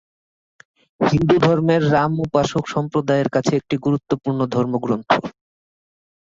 হিন্দুধর্মের রাম-উপাসক সম্প্রদায়ের কাছে একটি গুরুত্বপূর্ণ ধর্মগ্রন্থ।